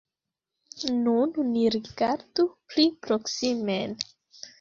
Nun ni rigardu pli proksimen.